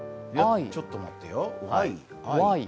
ちょっと待てよ。